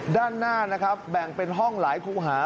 ด้านหน้านะครับแบ่งเป็นห้องหลายคู่หา